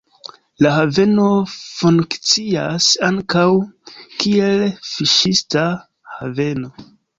La haveno funkcias ankaŭ, kiel fiŝista haveno.